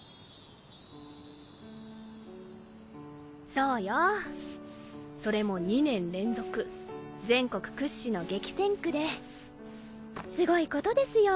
そうよそれも２年連続全国屈指の激戦区ですごい事ですよ